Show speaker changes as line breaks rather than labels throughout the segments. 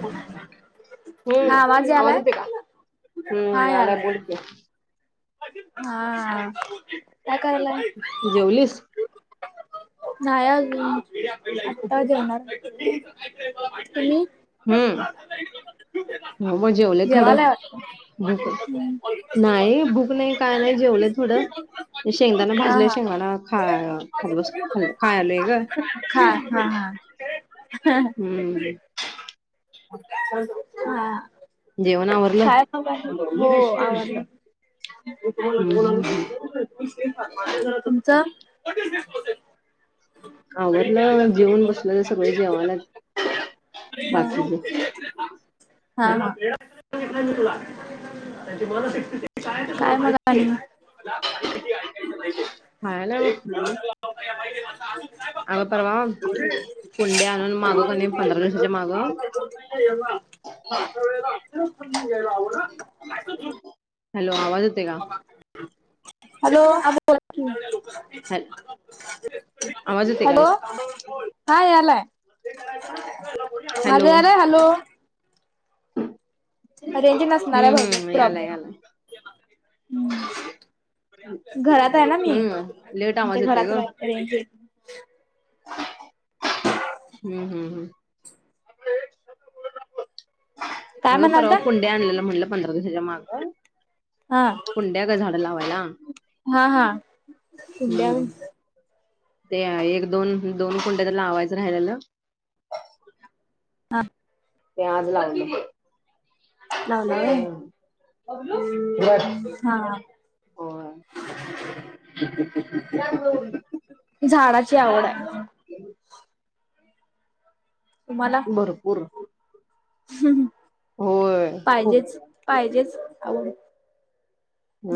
कुणाचा.
हम्म, आवाज येते का
हा
हम्म, आलाय बोल
यालाय
की,
हा, काय करायला.
जेवलीस.
नाही अजून आता जेवणार तुम्ही.
हम्म, हो मग जेवले थोडं
जेवायलाय
भूक नाही
वाटतं
नाही भूक नाही. काय नाही जेवलंय थोडं. शेंगदाणा
हा
भाजलेय शेंगदाना
हा हा
खात बस खाल् खायलय ग.
हा हा,
हम्म,
हा,
जेवण आवरल,
काय हो,
हम्म हम्म, हम्म.
आवरल. तुमच,
आवरलं जेवण बसलुय सगळे जेवायला बाकीच.
हा हा, काय मग
खायला बघ
अजून. [inaudible]
अगं परवा कुंडया आणून मागं क नाही पंधरा दिवसाच्या मागं
तेव्हा [unintelligible]
हॅलो आवाज येतो का?
हॅलो
हॅल आवाज
[unintelligible]
येतोय काय?
हॅलो हा यालाय
हॅलो
माझा यालाय हॅलो? रेंज नसणार
हम्म
आहे
हम्म
बहुतेक
यालाय
प्रॉब्लेम
यालाय
आहे. हा घरात आहे ना मी
हम्म लेट आवाज येतोय
घरात
ग
रा रेंज येत नाही.
हम्म हम्म हम्म
काय
अग परवा
म्हणालता
कुडया आणलेलं म्हनलं पंधरा दिवसाच्या मागं
हा
कुंड्या ग झाड लावायला.
हा हा कुंड्या
हम्म ते एक दोन दोन कुंड्या तर लावायचं राहिल्याल.
हा
ते आज लावलो
लावला व्हय
बघ
हा झाडाची आवड आहे. तुम्हाला?
भरपूर होय खूप
पाहिजेच पाहिजेच आवड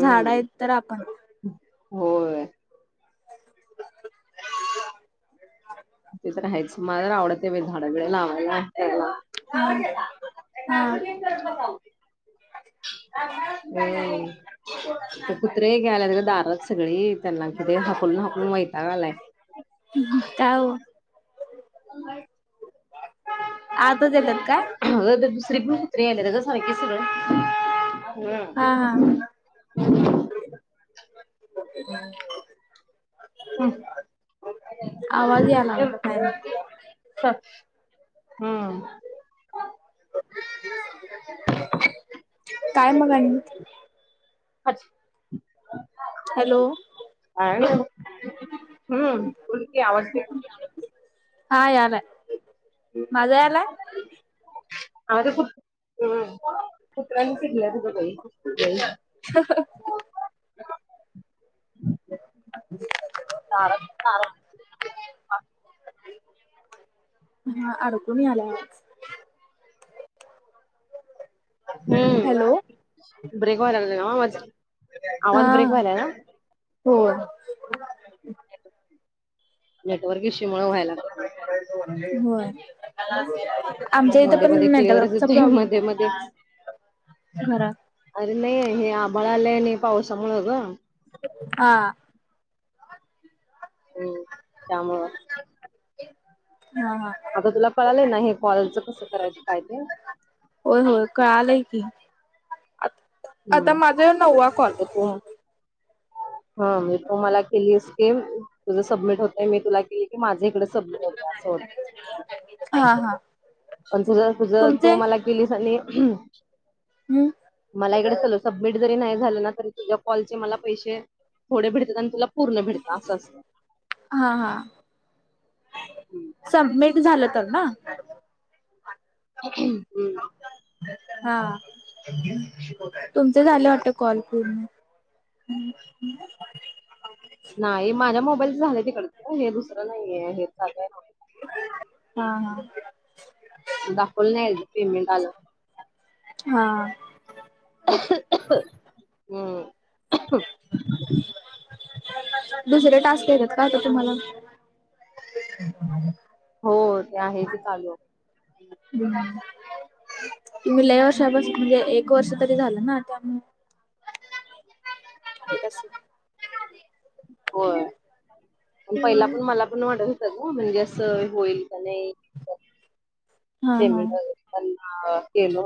झाड आहेत तर आपण
होय हम्म ते तर आहेच मला आवडतं नाही बाई झाड बिड लावायला करायला.
हा हा
[unintelligible] हम्म ते कुञ एक यायला लागलीत दारात सगळी त्यांना की ते हाकलून हाकलून वैताग आलाय.
का ओ? आताच येतात काय?
अग दुसरी पण कुत्रे येतात ग सारखे सारखे
हा हा
[unintelligible]
आवाज यायला लागला बाहेरून
चल हम्म
काय मग आणि? हॅलो
[unintelligible] काही नाही [inaudible]
हा यायला माझा यालाय?
आवाज येतोय कुत्र्यांवर चिडल्या ग बाई [unintelligible]
[inaudible] [unintelligible]
तार तार [inaudible]
हा, अडकून यायलाय आवाज.
हम्म
हॅलो, ! !
ब्रेक व लागला आवाज माझ
हा होय.
नेटवर्क इश्यू, मूळ व्हाय लागलय
होय. आमच्या इथे
मध्ये
पण
मध्ये क्लिअरच
नेटवर्क च
येतोय
प्रॉब्लेम
मध्ये मध्ये
आहे. घरात
अरे, नाही हे आभाळ आलंय नाही. पावसा मूळ ग
आ,?
हम्म, ! त्यामूळ
हा,
आता तुला कळालंय ना हे, कॉलच कसं करायचं काय ते.
होय होय, कळालंय की आता
हम्म
माझा नववा कॉल?
हम, तुमाला केली स्कीम तुझ सबमिट होतेय मी तुला केली. तुम्हाला जीकडे सबमिट होत असं होत.
हा हा.
पण तुझ तुझ
तुमचे?
तू. मला केलीस आणि,
हम्म.
मला इकडे सल सबमिट जरी नाही. झालं ना तरी तुझ्या कॉलचे मला पैसे, थोडे भेटतात आणि तुला पूर्ण भेटतात असं असतं.
हा हा, सबमिट झालं तर ना
हम्!
हा, तुमच झालं वाटत कॉल पूर्ण हम् ह्?
नाही. माझ्या मोबाईलच झालाय तिकडच हे दुसरं नाहीये हे चालंय.
हा हा!
तु दाखवल नाही पेमेंट आलं.
हा?
हम्म.
म्हणजे दुसरे टास्क केले का, आता तुम्हाला हम
हो, ते आहे कि चालू
ह, तुम्हीं लय वर्षापासुन म्हणजे, एक वर्ष तरी झालं ना आता त्यामुळ ठीक [inaudible]
व्यय? पण पहिला पण मला पण वाटत होत सगळ, म्हणजे असं होईल का नाही
हा हा.
पेमेंट, वेगैरे त्यां केल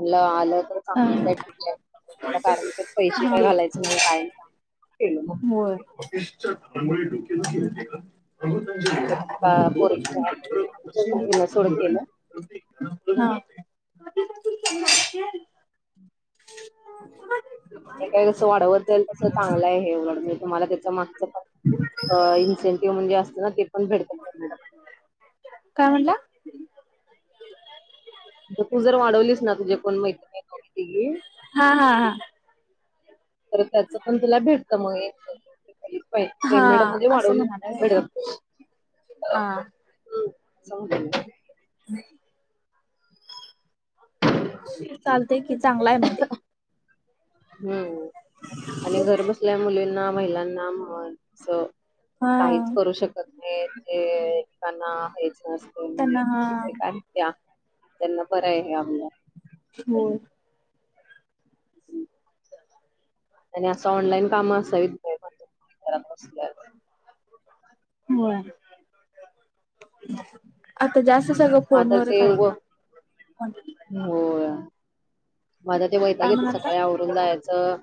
मग आलं तर चांगल, त्या ठिकानी कारण ते पैसे काय
हा.
घालायच नाही. कारण का के
होय,
ते पण एका पोरीच्या हिला सोड केलं
हा. [inaudible]
हे काय कस वाढवत नाही. तसं चांगलंय हे उलट तुम्हाला त्याच्या मागच पण इन्सेंटिव्ह म्हणजे असत ना. ते पण भेटत मॅडम.
काय म्हटला,
तू जर वाढवलीस ना, तुझे कोण मैत्रीणी दोघी तिघी
हा हा हा.
तर त्याचं पण तुला भेटतं मग इन्कम. [unintelligible]
हा
पेमेंट मध्ये
असं
वाढवून
म्हणालाय
मिळेल
होय.
आ [unintelligible]
हा
हम, जाउदे
[unintelligible] मावशी चाल ते कि चांगला आहे मग ते
हम्म, आणि घर बसल्या मुलींना महिलांना अ अस
हा
काहीच करू शकत हे जे कना हेच नसते.
त्याना
काय त्या, त्यांना बरं आहे आमला
होय.
आणि असं ऑनलाईन काम असावीत [unintelligible] घरात बसल्या
होय. आता जास्त सगळं
मात्र
फोनवरच
ते
आहेत
उघं,
का?
होय. माझं ते वैताग
काय
येतो.
म्हणालता?
सकाळी आवरून जायचं.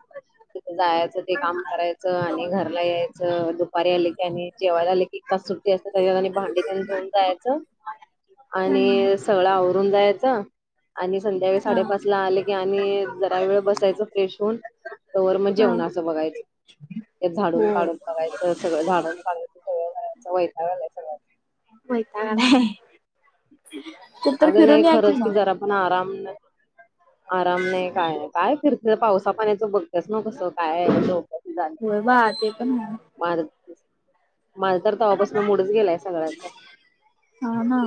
तिथ जायाचं ते काम करायचं आणि घरला यायचं. दुपारी आली की आणि जेवायला आले की तास सुट्टी आहेत संगळ्याजनी भांडी त्यान धुऊून जायचं
हम्म.
आणि सगळं आवरून जायचं. आणि संध्याकाळी
हा.
साडेपाच ला आले की आणि जरा वेळ बसायचं फ्रेश होऊन, तवर मग
हा.
जेवणाचं बघायचं. ते
हो
झाडून काडून बघायचं, सगळं झाडाला पाणी सगळं करायचं, वैताग आला सगळा
वैताग आला आहे. कुठ तर
अगं नाही
फिरून या कि
खरंच की
मग
जरा पण आराम नाय, आराम नाही काय नाही काय फिर पावसा पाण्याचं बघतेस ना कसं काय आहे. [unintelligible]
होय बा, ते पण आहे.
[unintelligible] माझ त तव्हापासून मुडच गेलाय. सगळ्याचा.
हा ना,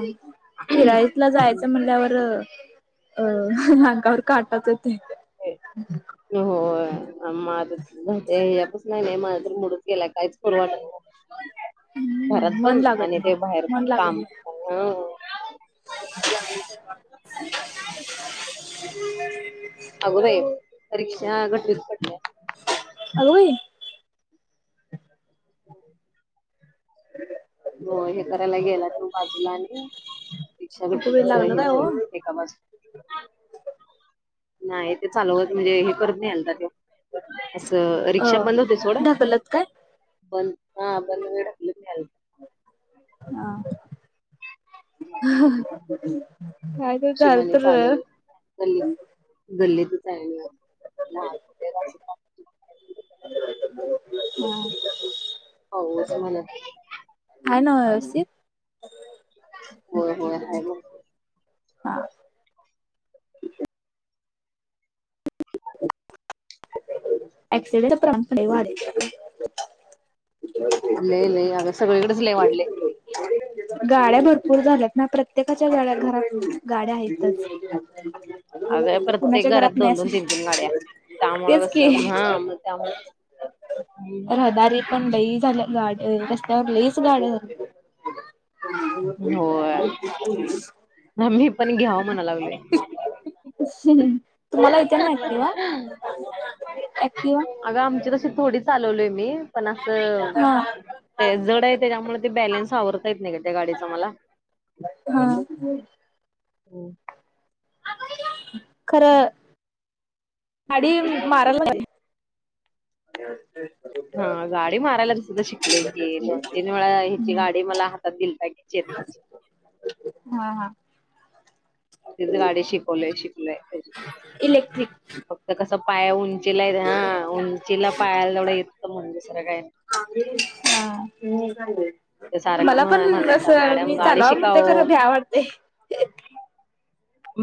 फिर आय जायचं म्हणल्यावर अंगावर काटाच येतो.
ते-
[unintelligible]
होय. माझच जाऊदे यापासंन आहेने माझं मुडच गेला काहीच करू वाटत नाय. घरात
हम्म मन
पण
लागत
आणि ते बाहेर
नाही मन
पण
लागत
काम
नाही
अन्
[unintelligible]
अगं बाई! रीक्षा गटलीत पडल्या.
अगं बाई! [unintelligible]
हो हे कराला गेला तो बाजूला आणि रिक्षा [unintelligible] हे
अगं बाई लागलं काय
झाली.
हो
[unintelligible] नाही ते चालवत म्हणजे हे करत नाही आलता त्यो. असं, रिक्षा बंद होती सोड
अ ढकलत काय
बंद हा बंद वेळ [unintelligible]
आ,
शिमाले चाललं. गल्ली गल्लीतच आहे [unintelligible]
[unintelligible]
ऑगस्ट महिन्यात
काय नाय व्यवस्थित
होय होय आहे मग
हा ॲक्सिडेटचे प्रमाण लई वाढलंय
लई लई आग सगळीकडेच लई वाढले
गाड्या भरपूर झाल्यात ना प्रत्येकाच्या घरात गाड्या आहेतच
अगं प्रत्येक
कुणाच्या
घरात
नाही
दोन दोन तीन तीन
असं
गाड्या त्यामुळे
तेच
कसं
की
हा मग त्यामुळे
रहदारी पण लही झालं रस्त्यावर लहीच गाड्या होत्या [inaudible]
आम्ही पण घ्याव म्हणा लागलोय.
[inaudible]
[inaudible]
ऍक्टिव्हा
अगं आमची तशी थोडी चालवलोय मी पण असं
हा
ते जड आहे त्यामुळे ते बॅलेन्स आवरता येत नाही का मला
हा
हो.
खरं. गाडी मारायला ला [inaudible]
हा गाडी मारायला तर सुद्धा शिकलोय की दोन तीन वेळा ह्याची गाडी मला हातात दिल की
हा हा.
तिथ गाडी शिकवलेय शिकलेय.
इलेक्ट्रिक
फक्त कसं पाया उंचीला येत हा उंचीला पायाला जवढं येत म्हण दुसरं काय
हा
ते सारखं
मला
म्ह
पण अस
म्हणायचा मॅडम
मी
गाडी
चालवा
शिका
म्हणते
ओ.
खरं भ्या वाटते.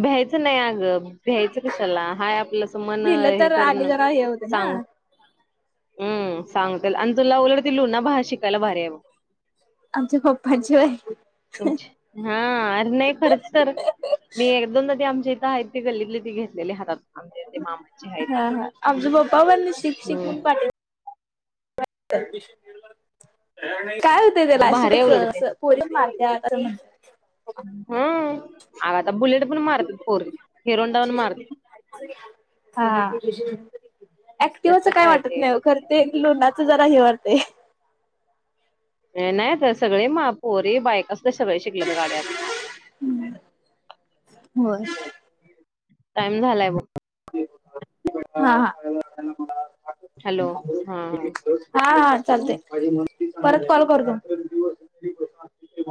भ्यायचं नाही अगं भ्यायचं कशाला हा आपलंस मन
भिलं
हे
तर आणि
करून
जरा हे होते ना
सांग. हम्म सांगते आणि तुला उलट ति लुना शिकायला भारी आहे बघ
आमच्या पप्पांची होय
तुमची हा अरे नाही खर्च तर मी एक दोनदा ती आमच्या इथं गल्लीतली ती घेतलेली हातात आमच्या ते मामाची आहे ती.
हा हा आमचे पप्पा पण शिक शिक म्हणून
हम्म
पाठ काय होतंय त्याला अशी
भारी आहे उलट ते
पोरी मारत असं म्हणत.
हम्म आ आता बुलेट पण मारतात पोरी हिरोंहोडा मारतात.
हा ऍक्टिवच
त्याच
काय वाटत
ते
नाही खर ते लुणाच जरा हे वाटताय.
नाही तर सगळे मा पोरी बाईका सगळे शिकले तर गाड्यात.
होय.
टाइम झालाय बघ.
हा हा.
हॅलो हा हा.
हा हा चालते परत कॉल करतो.